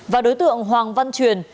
và đối tượng hoàng văn truyền